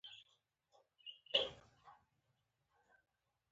زه د ملي تاریخ په اړه زدهکړه کوم.